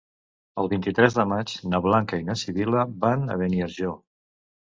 El vint-i-tres de maig na Blanca i na Sibil·la van a Beniarjó.